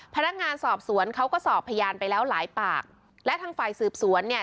พนักงานสอบสวนเขาก็สอบพยานไปแล้วหลายปากและทางฝ่ายสืบสวนเนี่ย